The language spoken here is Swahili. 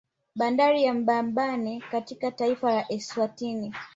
Bandari ya Mbabane katika taifa la Eswatini